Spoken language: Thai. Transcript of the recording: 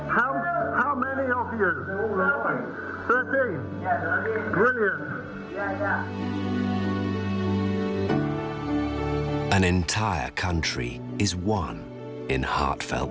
คุณจะที่นี่ไม่มีคุณที่๑๓คุณเจ็บจริง